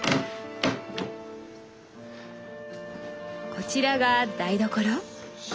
こちらが台所？